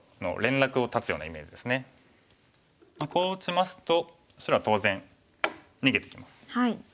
こう打ちますと白は当然逃げてきます。